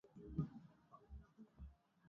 Ghuramu huyu ni mrefu sana.